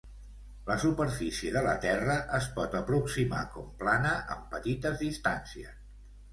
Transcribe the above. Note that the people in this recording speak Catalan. La superfície de la Terra es pot aproximar com plana en petites distàncies.